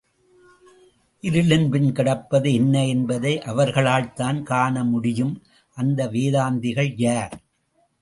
இருளின் பின் கிடப்பது என்ன என்பதை அவர்களால்தான் காண முடியும்! அந்த வேதாந்திகள் யார்?